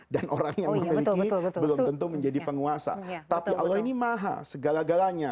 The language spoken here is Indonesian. dan orang yang memiliki belum tentu menjadi penguasa tapi allah ini maha segala galanya